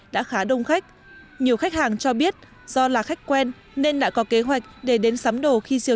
đã khá đông khách nhiều khách hàng cho biết do là khách quen nên đã có kế hoạch để đến sắm đồ khi diều